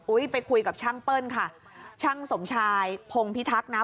ไปคุยกับช่างเปิ้ลค่ะช่างสมชายพงพิทักษ์นะ